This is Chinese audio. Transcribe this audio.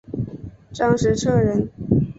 张时彻人。